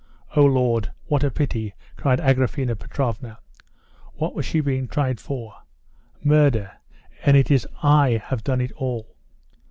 "Oh, Lord! What a pity!" cried Agraphena Petrovna. "What was she being tried for?" "Murder; and it is I have done it all."